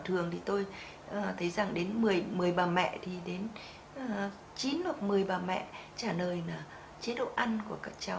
thường thì tôi thấy rằng đến một mươi bà mẹ thì đến chín hoặc một mươi bà mẹ trả lời là chế độ ăn của các cháu